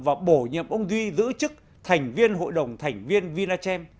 và bổ nhiệm ông duy giữ chức thành viên hội đồng thành viên vinachem